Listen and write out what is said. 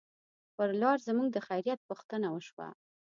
پر لار زموږ د خیریت پوښتنه وشوه.